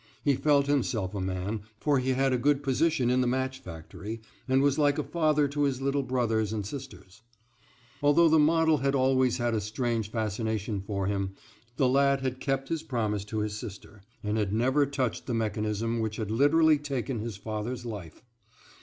He felt himself a man; for he had a good position in the match factory, and was like a father to his little brothers and sisters. Although the model had always had a strange fascination for him, the lad had kept his promise to his sister, and had never touched the mechanism which had literally taken his father's life.